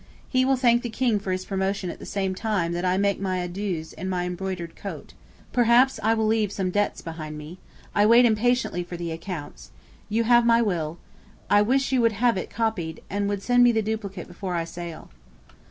He will thank the king for his promotion at the same time that I make my adieux in my embroidered coat. Perhaps I shall leave some debts behind me. I wait impatiently for the accounts. You have my will. I wish you would have it copied, and would send me the duplicate before I sail.'